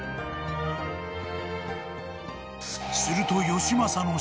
［すると］